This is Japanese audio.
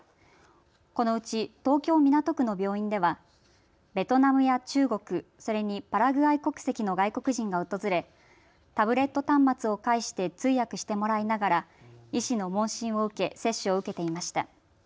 このうち東京港区の病院ではベトナムや中国、それにパラグアイ国籍の外国人が訪れタブレット端末を介して通訳してもらいながら医師の問診を受け接種を受けていました。